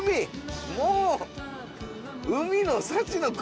もう。